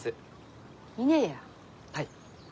はい。